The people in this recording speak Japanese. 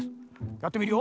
やってみるよ。